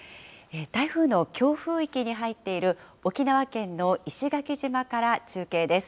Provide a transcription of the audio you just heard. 台風の強風域に入っている沖縄県の石垣島から中継です。